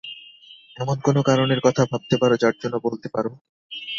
এমন কোনো কারণের কথা ভাবতে পারো যার জন্য বলতে পারো?